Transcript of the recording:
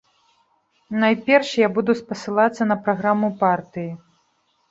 Найперш, я буду спасылацца на праграму партыі.